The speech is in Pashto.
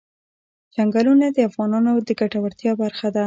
چنګلونه د افغانانو د ګټورتیا برخه ده.